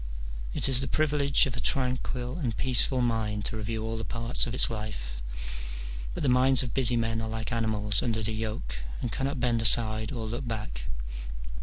It is the privilege of a tranquil and peaceful mind to review all the parts of its life : but the minds of busy men are like animals under the yoke, and cannot bend aside or look back.